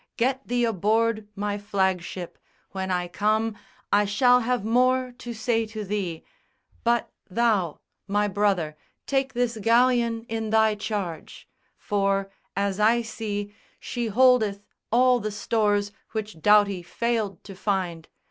Get thee aboard my flagship! When I come I shall have more to say to thee; but thou, My brother, take this galleon in thy charge; For, as I see, she holdeth all the stores Which Doughty failed to find.